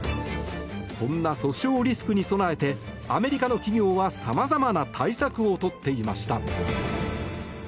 そんな訴訟リスクに備えてアメリカの企業はさまざまな対策をとっていました。